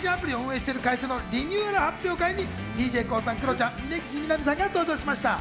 先週金曜日に行われた動画配信アプリを運営している会社のリニューアル発表会にＤＪＫＯＯさん、クロちゃん、峯岸みなみさんが登場しました。